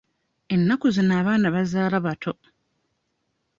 Ennaku zino abaana bazaala bato.